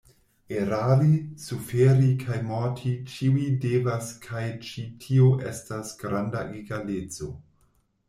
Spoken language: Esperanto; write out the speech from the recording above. Erari, suferi kaj morti ĉiuj devas kaj ĉi tio estas granda egaleco.